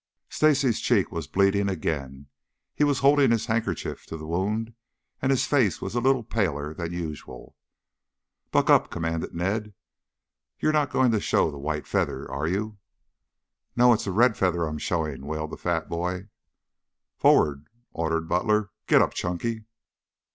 Stacy's cheek was bleeding again. He was holding his handkerchief to the wound and his face was a little paler than usual. "Buck up!" commanded Ned. "You're not going to show the white feather, are you?" "No, it's a red feather I'm showing," wailed the fat boy. "Forward!" ordered Butler. "Get up, Chunky!"